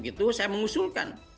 itu saya mengusulkan